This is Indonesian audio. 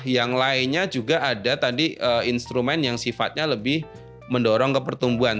yang lainnya juga ada tadi instrumen yang sifatnya lebih mendorong ke pertumbuhan